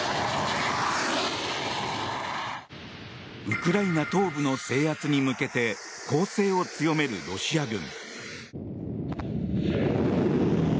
ウクライナ東部の制圧に向けて攻勢を強めるロシア軍。